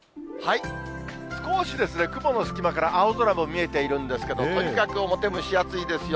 少し雲の隙間から青空も見えているんですけれども、とにかく表、蒸し暑いですよ。